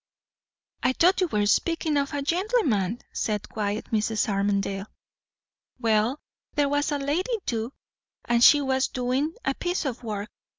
"I thought you were speaking of a gentleman," said quiet Mrs. Armadale. "Well, there was a lady too; and she was doin' a piece o' work.